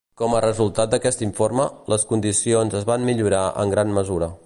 Com a resultat d'aquest informe, les condicions es van millorar en gran mesura.